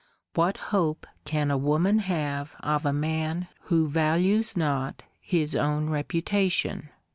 What hope can a woman have of a man who values not his own reputation?